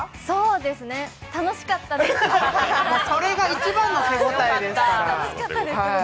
そうですね、楽しかったです。